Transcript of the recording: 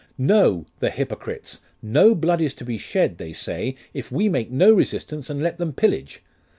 'No, the hypocrites! No blood is to be shed, they say, if we make no resistance, and let them pillage.